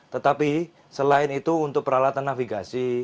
tetapi selain itu untuk peralatan navigasi